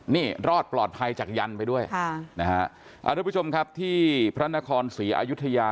นี่รอดปลอดภัยจากยันไปด้วยค่ะนะฮะอ่าทุกผู้ชมครับที่พระนครศรีอายุทยา